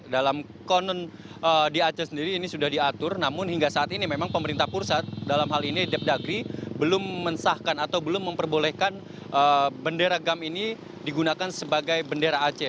dalam konon di aceh sendiri ini sudah diatur namun hingga saat ini memang pemerintah pusat dalam hal ini depdagri belum mensahkan atau belum memperbolehkan bendera gam ini digunakan sebagai bendera aceh